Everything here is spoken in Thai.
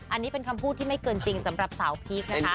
อันนี้เป็นคำพูดที่ไม่เกินจริงสำหรับสาวพีคนะคะ